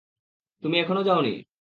তুমি এখানো যাওনি।